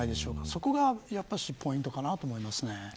そこがポイントかなと思います。